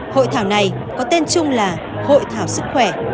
hội thảo này có tên chung là hội thảo sức khỏe